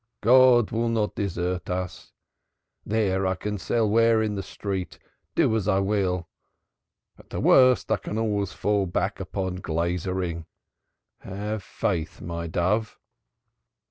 God will not desert us. There I can sell ware in the streets do as I will. At the worst I can always fall back upon glaziering. Have faith, my dove."